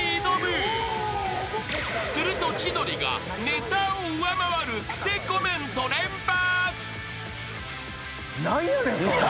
［すると千鳥がネタを上回るクセコメント連発］